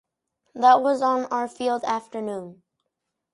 That was on our field afternoon.